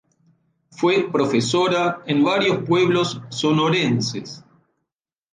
Fue profesora en varios pueblos sonorenses.